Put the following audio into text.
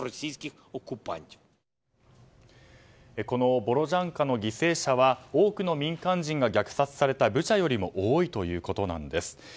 このボロジャンカの犠牲者は多くの民間人が虐殺されたブチャよりも多いということなんです。